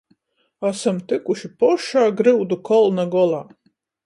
Asam tykuši pošā gryudu kolna golā.